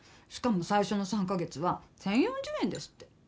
しかも最初の３カ月は１，０４０円ですって。